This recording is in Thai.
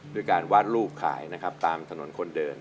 ด้วยการวาดรูปขายนะครับตามถนนคนเดิน